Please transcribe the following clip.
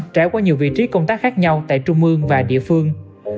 trải qua nhiều vị trí công tác khác nhau tại trung ương và địa phương